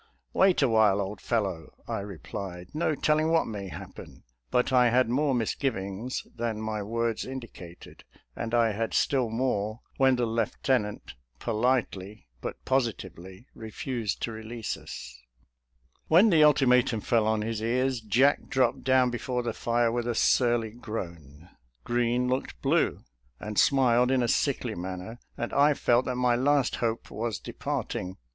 " Wait a while, old fellow," I replied, " no telling what may happen." But I had more misgivings than my words indicated, and I had still more when the lieutenant politely but posi tively refused to release us. 186 SOLDIER'S LETTERS TO CHARMING NELLIE When the ultimatum fell on his ears, Jack dropped down before the fire with a surly groan, Green looked blue and smiled in a sickly man ner, and I felt that my last hope was departing.